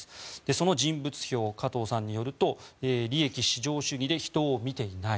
その人物評加藤さんによると利益至上主義で人を見ていない。